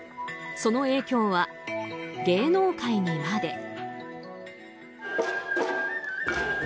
その影響は芸能界にまで。